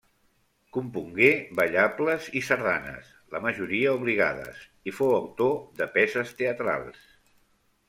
Compongué ballables i sardanes, la majoria obligades, i fou autor de peces teatrals.